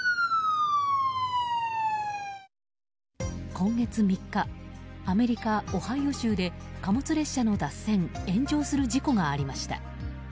今月３日アメリカ・オハイオ州で貨物列車の脱線・炎上する事故がありました。